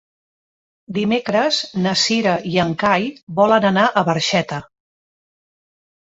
Dimecres na Cira i en Cai volen anar a Barxeta.